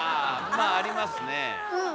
まあありますねえ。